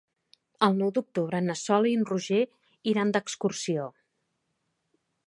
El nou d'octubre na Sol i en Roger iran d'excursió.